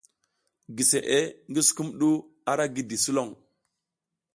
Giseʼe ngi sukumɗu ara gidi sulon.